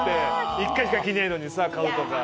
一回しか着ねえのにさ買うとか。